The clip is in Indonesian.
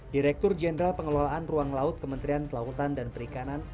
direktur jenderal pengelolaan ruang laut kementerian kelautan dan perikanan